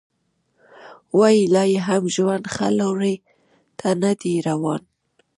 وايي لا یې هم ژوند ښه لوري ته نه دی روان